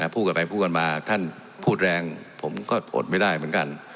พูดกันไปพูดกันมาท่านพูดแรงผมก็อดไม่ได้เหมือนกัน